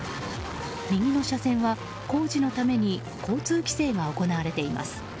右の車線は工事のために交通規制が行われています。